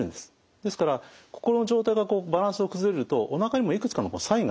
ですから心の状態がバランスを崩れるとおなかにもいくつかのサインが出てくる。